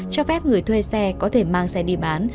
cho phép người thuê xe có thể mang xe đi bán